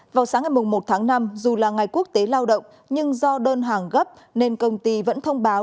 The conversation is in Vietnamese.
vào sáng ngày một tháng năm dù là ngày quốc tế lao động nhưng do đơn hàng gấp nên công ty vẫn thông báo